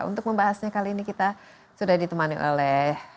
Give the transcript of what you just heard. untuk membahasnya kali ini kita sudah ditemani oleh